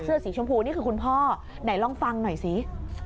สีชมพูนี่คือคุณพ่อไหนลองฟังหน่อยสิ